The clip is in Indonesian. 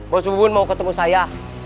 bos bubun mau ketemu saya